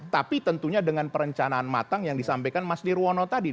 tapi tentunya dengan perencanaan matang yang disampaikan mas nirwono tadi